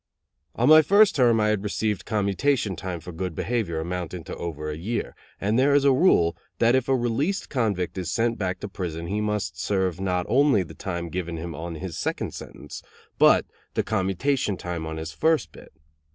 On my first term I had received commutation time for good behavior amounting to over a year, and there is a rule that if a released convict is sent back to prison, he must serve, not only the time given him on his second sentence, but the commutation time on his first bit.